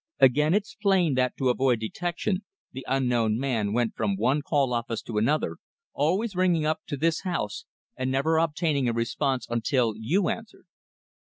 Again, it's plain that to avoid detection the unknown man went from one call office to another, always ringing up to this house, and never obtaining a response until you answered."